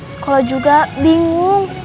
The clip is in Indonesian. sekolah juga bingung